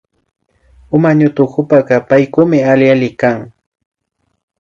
Uma ñutukupa Paykukmi alli alli kan